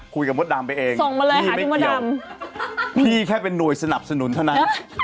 คุยกับมดดำไปเองพี่ไม่เกี่ยวพี่แค่เป็นหน่วยสนับสนุนเท่านั้น